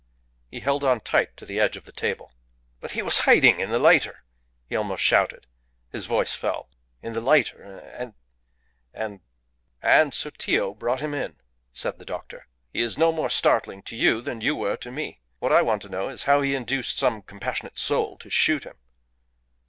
He held on tight to the edge of the table. "But he was hiding in the lighter," he almost shouted His voice fell. "In the lighter, and and " "And Sotillo brought him in," said the doctor. "He is no more startling to you than you were to me. What I want to know is how he induced some compassionate soul to shoot him."